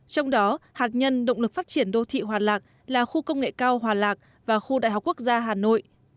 trong đó hạt nhân động lực phát triển đô thị hòa lạc là khu công nghệ cao hòa lạc và khu đại học quốc gia hà nội